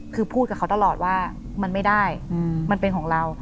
คือพูดกับเขาตลอดว่ามันไม่ได้มันเป็นของเรา